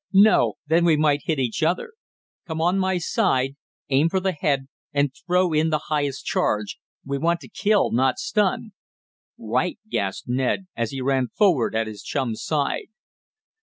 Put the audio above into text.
"No! Then we might hit each other. Come on my side. Aim for the head, and throw in the highest charge. We want to kill, not stun!" "Right!" gasped Ned, as he ran forward at his chum's side.